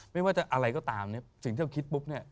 ไม่ว่าจะอะไรก็ตามสิ่งที่เราคิดปุ๊บ